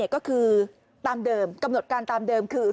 ก็คือตามเดิมกำหนดการตามเดิมคือ